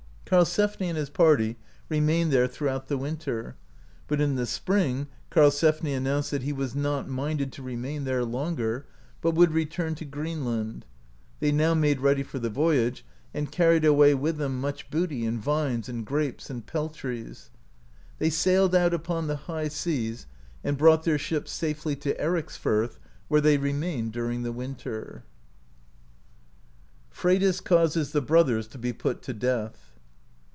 Karlsefni and his party remained there throughout the wnnter. but in the spring Karlsefni announced that he was not minded AMERICA DISCOVERED BY NORSEMEN to remain there longer, but would return to Greenland. They now made ready for the voyage, and carried away with them much booty in vines and grapes and peltries. They sailed out upon the high seas, and brought their ship safely to Ericsfirth, where they remained during the winter. ]?RBYDIS CAUSES THE BROTHERS TO BE PUT TO DEATH.